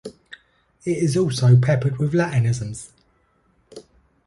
It is also peppered with Latinisms.